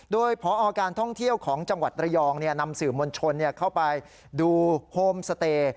โดยพอการท่องเที่ยวของจังหวัดระยองนำสื่อมวลชนเข้าไปดูโฮมสเตย์